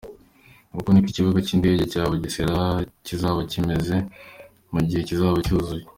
Uku niko Ikibuga cy’Indege cya Bugesera kizaba kimeze mu gihe kizaba cyuzuye.